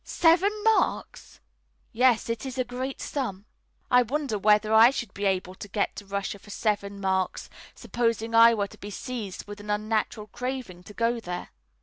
"Seven marks!" "Yes, it is a great sum." I wondered whether I should be able to get to Russia for seven marks, supposing I were to be seized with an unnatural craving to go there.